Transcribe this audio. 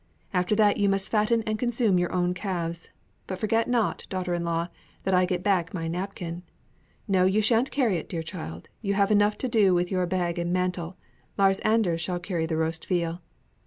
After that, you must fatten and consume your own calves. But forget not, daughter in law, that I get back my napkin. No, you shan't carry it, dear child, you have enough to do with your bag and mantle. Lars Anders shall carry the roast veal."